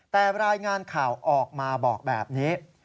แต่รายงานข่าวออกมาบอกแบบนี้